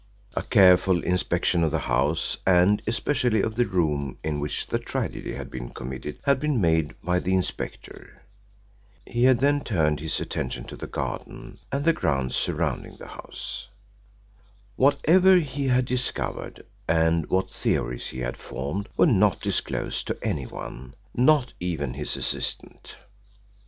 A careful inspection of the house and especially of the room in which the tragedy had been committed had been made by the inspector. He had then turned his attention to the garden and the grounds surrounding the house. Whatever he had discovered and what theories he had formed were not disclosed to anyone, not even his assistant.